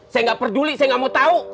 saya gak peduli saya gak mau tau